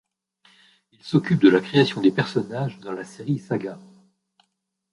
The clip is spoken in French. Il s'occupe de la création des personnages dans la série SaGa.